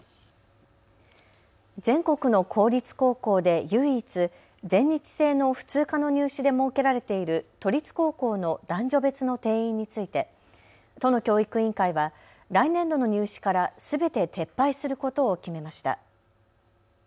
全国の公立高校で唯一、全日制の普通科の入試で設けられている都立高校の男女別の定員について都の教育委員会は来年度の入試からすべて撤廃することを決めました。